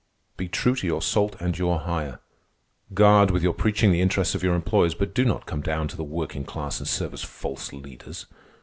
Be true to your salt and your hire; guard, with your preaching, the interests of your employers; but do not come down to the working class and serve as false leaders.